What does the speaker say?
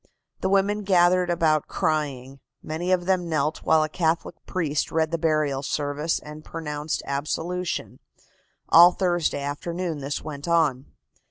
The women gathered about crying. Many of them knelt while a Catholic priest read the burial service and pronounced absolution. All Thursday afternoon this went on.